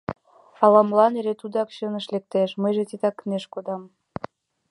Ала-молан эре тудак чыныш лектеш, мыйже титаканеш кодам.